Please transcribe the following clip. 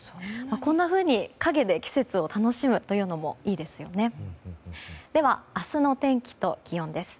こんなふうに影で季節を楽しむというのもいいですよね。